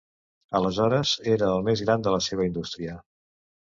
Aleshores, era el més gran de la seva indústria.